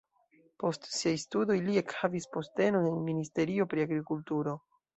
Post siaj studoj li ekhavis postenon en ministerio pri agrikulturo.